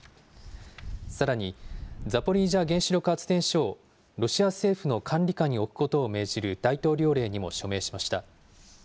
さらに、ザポリージャ原子力発電所をロシア政府の管理下に置くことを命じる大統領令にも署名しました。